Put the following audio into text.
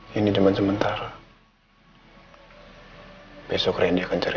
kita tiada kutip untuk berada di luar sini